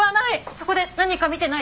そこで何か見てない？